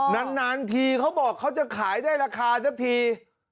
นานทีเขาบอกเขาจะขายได้ราคาสักที